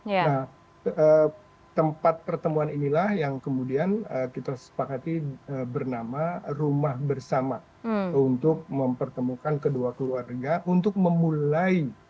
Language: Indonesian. nah tempat pertemuan inilah yang kemudian kita sepakati bernama rumah bersama untuk mempertemukan kedua keluarga untuk memulai